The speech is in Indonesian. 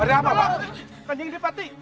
ada apa pak